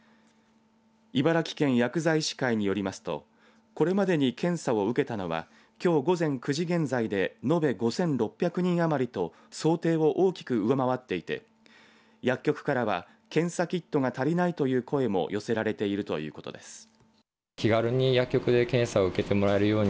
茨城県薬剤師会によりますとこれまでに検査を受けたのはきょう午前９時現在で延べ５６００人余りと想定を大きく上回っていて薬局からは検査キットが足りないという声も寄せられているということです。